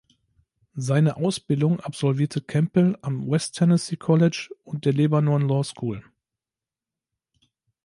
Seine Ausbildung absolvierte Campbell am West Tennessee College und der "Lebanon Law School".